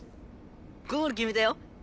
ゴール決めたよ！